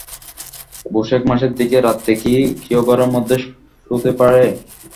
বোশেখ মাসের দিকে রাত্রে কি কেউ ঘরের মধ্যে শূতে পারে?